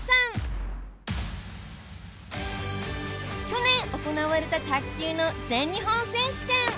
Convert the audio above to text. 去年行われた卓球の全日本選手権。